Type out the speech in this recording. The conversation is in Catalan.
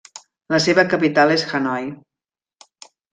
La seva capital és Hanoi.